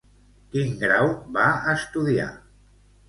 Quin grau va estudiar?